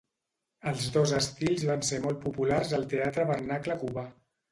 Els dos estils van ser molt populars al teatre vernacle cubà.